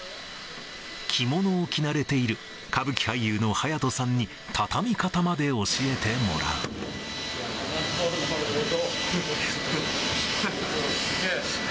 着物を着慣れている歌舞伎俳優の隼人さんに、畳み方まで教えてもなるほど。